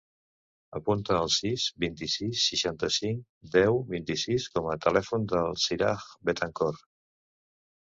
Apunta el sis, vint-i-sis, seixanta-cinc, deu, vint-i-sis com a telèfon del Siraj Betancor.